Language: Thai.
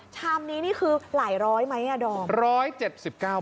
ชามนี้นี่คือหลายร้อยไหมอ่ะดอม